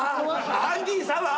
アンディ・サワー。